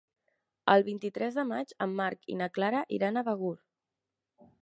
El vint-i-tres de maig en Marc i na Clara iran a Begur.